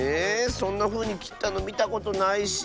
そんなふうにきったのみたことないし。